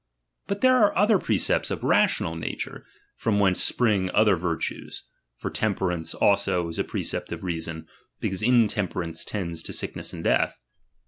But there are other precepts I of rational nature, from whence spring other vir tues ; for temperance, also, is a precept of reason, because intemperance tends to sickness and death.